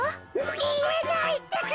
みえないってか。